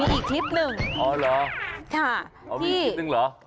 อ๋ออีกคลิปนึงเหรอ